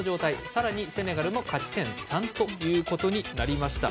さらにセネガルも勝ち点３ということになりました。